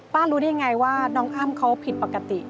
รู้ได้ยังไงว่าน้องอ้ำเขาผิดปกติ